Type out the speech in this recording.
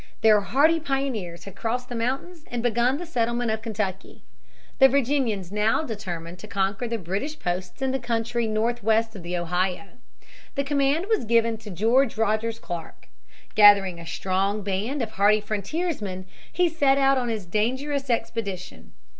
Their hardy pioneers had crossed the mountains and begun the settlement of Kentucky. The Virginians now determined to conquer the British posts in the country northwest of the Ohio. The command was given to George Rogers Clark. Gathering a strong band of hardy frontiersmen he set out on his dangerous expedition.